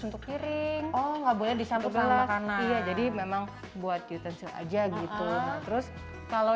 untuk piring oh nggak boleh disampul sama karena jadi memang buat utensil aja gitu terus kalau